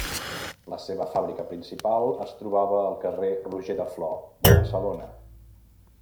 La seva fàbrica principal es trobava el carrer Roger de Flor de Barcelona.